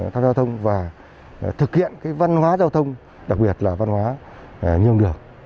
tham gia thông và thực hiện văn hóa giao thông đặc biệt là văn hóa như ông đường